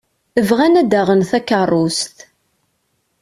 Bɣan ad d-aɣen takeṛṛust.